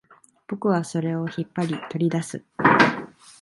僕はそれを引っ張り、取り出す